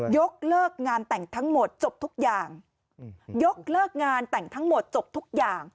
ยกเลิกงานแต่งทั้งหมดจบทุกอย่างยกเลิกงานแต่งทั้งหมดจบทุกอย่าง